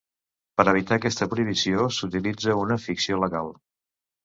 Per evitar aquesta prohibició s'utilitza una ficció legal.